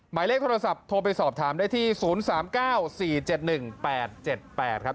หมายเลขโทรศัพท์โทรไปสอบถามได้ที่๐๓๙๔๗๑๘๗๘ครับ